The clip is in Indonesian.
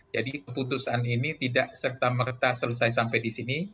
jadi keputusan ini tidak serta merta selesai sampai di sini